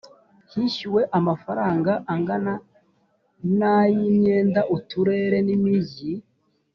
hishyuwe frw angana na y imyenda uturere n imijyi